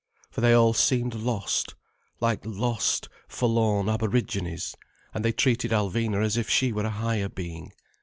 For they all seemed lost, like lost, forlorn aborigines, and they treated Alvina as if she were a higher being.